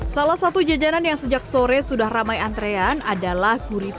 salah satu jajanan yang sejak sore sudah ramai antrean adalah kurikulu